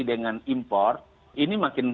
dengan impor ini makin